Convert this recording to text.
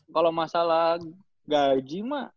kalau masalah gaji mah